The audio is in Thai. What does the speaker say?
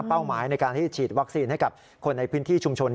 หมายในการที่ฉีดวัคซีนให้กับคนในพื้นที่ชุมชน